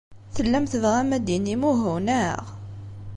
Tellam tebɣam ad d-tinim uhu, naɣ?